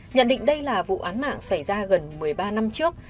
nhận định đây là vụ án mạng xảy ra gần một mươi ba năm trước